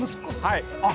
はい。